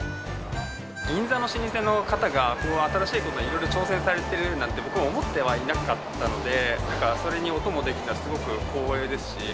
銀座の老舗の方が新しいことにいろいろ挑戦されてるなんて、僕も思ってはいなかったので、だからそれにお供できて、すごく光栄ですし。